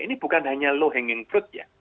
ini bukan hanya low hanging fruit ya